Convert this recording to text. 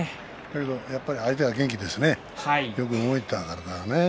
やっぱり相手が元気ですねよく動いたからね。